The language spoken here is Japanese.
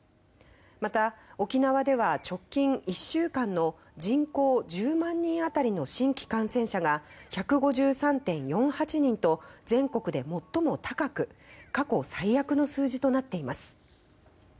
また、沖縄では直近１週間の人口１０万人当たりの新規感染者が１５３．４８人と全国で最も高く過去最悪の数字となっています。